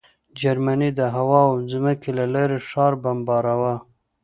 جرمني د هوا او ځمکې له لارې ښار بمباراوه